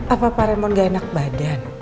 apa pak remon gak enak badan